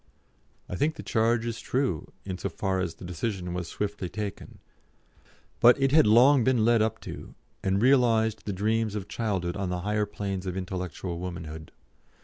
I think the charge is true, in so far as the decision was swiftly taken; but it had been long led up to, and realised the dreams of childhood on the higher planes of intellectual womanhood.